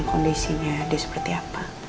aku kurang tau sih masa aku gak ada kondisinya